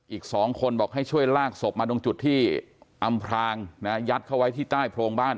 อีก๒คนบอกให้ช่วยลากศพมาตรงจุดที่อำพรางยัดเข้าไว้ที่ใต้โพรงบ้าน